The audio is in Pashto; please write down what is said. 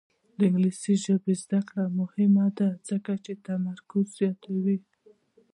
د انګلیسي ژبې زده کړه مهمه ده ځکه چې تمرکز زیاتوي.